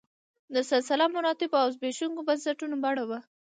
د سلسله مراتبو او زبېښونکو بنسټونو بڼه وه